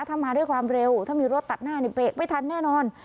ถ้ามาด้วยความเร็วถ้ามีรถตัดหน้านี่เบรกไม่ทันแน่นอน